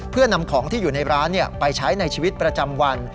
เพื่อนำของที่อยู่ในร้านไปใช้ในชีวิตประจำวัน